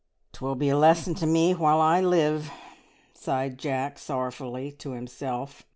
"'Twill be a lesson to me while I live!" sighed Jack sorrowfully to himself.